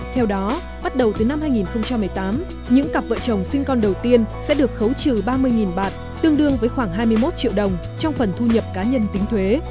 theo đó bắt đầu từ năm hai nghìn một mươi tám những cặp vợ chồng sinh con đầu tiên sẽ được khấu trừ ba mươi bạt tương đương với khoảng hai mươi một triệu đồng trong phần thu nhập cá nhân tính thuế